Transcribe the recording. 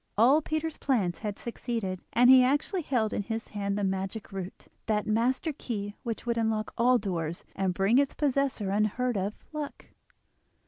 All Peter's plans had succeeded, and he actually held in his hand the magic root—that master key which would unlock all doors, and bring its possessor unheard of luck.